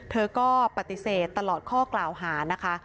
เธอก็ปฏิเสธตลอดข้อกล่าวหานะคะ